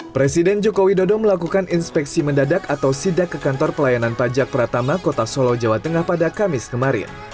presiden joko widodo melakukan inspeksi mendadak atau sidak ke kantor pelayanan pajak pratama kota solo jawa tengah pada kamis kemarin